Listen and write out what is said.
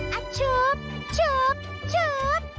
เอาชุดชุดชุด